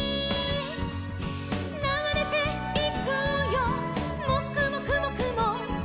「ながれていくよもくもくもくも」